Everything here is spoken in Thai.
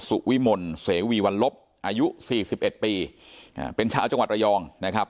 สุวิมลเสวีวันลบอายุสี่สิบเอ็ดปีเป็นชาวจังหวัดระยองนะครับ